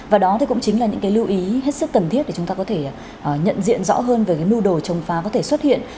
và đó cũng chính là những lưu ý hết sức cần thiết để chúng ta có thể nhận diện rõ hơn về nưu đồ trồng phá có thể xuất hiện